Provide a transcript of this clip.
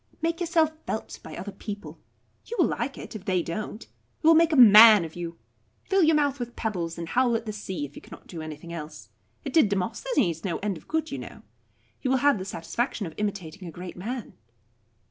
Make yourself felt by other people. You will like it, if they don't. It will make a man of you. Fill your mouth with pebbles, and howl at the sea, if you cannot do anything else. It did Demosthenes no end of good, you know. You will have the satisfaction of imitating a great man."